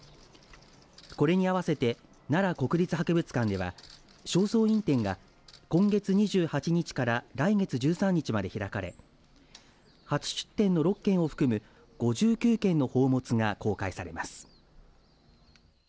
これに合わせて奈良国立博物館では正倉院展が今月２８日から来月１３日まで開かれ初出展の６件を含む５９件の宝物が公開されます。